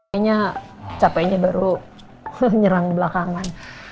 sebenarnya capeknya baru menyerang belakangan